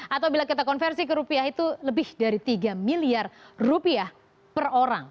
atau bila kita konversi ke rupiah itu lebih dari tiga miliar rupiah per orang